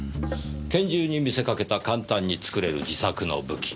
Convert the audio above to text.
拳銃に見せかけた簡単に作れる自作の武器。